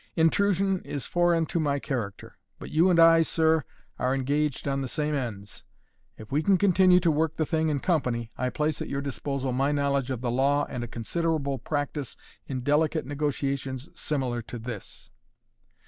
"Intrusion is foreign to my character. But you and I, sir, are engaged on the same ends. If we can continue to work the thing in company, I place at your disposal my knowledge of the law and a considerable practice in delicate negotiations similar to this.